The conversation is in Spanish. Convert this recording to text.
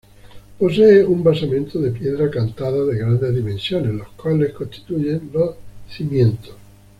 Posee un basamento de piedra cantada de grandes dimensiones, las cuales constituyen los cimientos.